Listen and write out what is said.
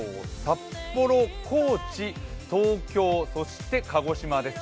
札幌、高知、東京、そして鹿児島です